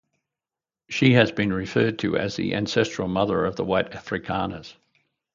She has been referred to as the ancestral mother of the white Afrikaners.